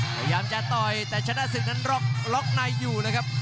พยายามจะต่อยแต่ชนะศึกนั้นล็อกในอยู่นะครับ